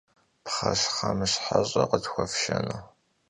Pxheşhemışheş'e khıtxuefşşenu?